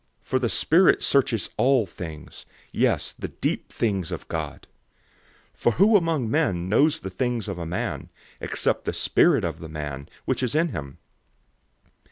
For the Spirit searches all things, yes, the deep things of God. 002:011 For who among men knows the things of a man, except the spirit of the man, which is in him?